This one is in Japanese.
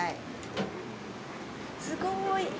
すごい。